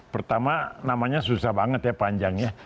pertama namanya susah banget ya panjangnya